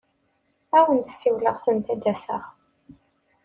Ad awen-d-ssawleɣ send ad n-aseɣ.